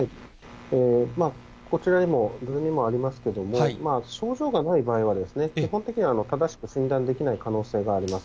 こちらにも、図にもありますけれども、症状がない場合は、基本的には正しく診断できない可能性があります。